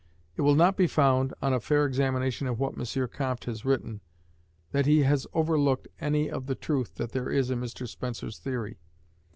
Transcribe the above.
It will not be found, on a fair examination of what M. Comte has written, that he has overlooked any of the truth that there is in Mr Spencer's theory.